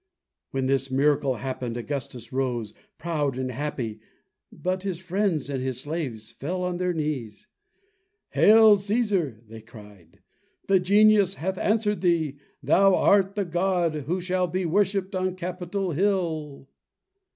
When this miracle happened, Augustus rose, proud and happy, but his friends and his slaves fell on their knees. "Hail, Cæsar!" they cried. "Thy genius hath answered thee. Thou art the god who shall be worshiped on Capitol Hill!"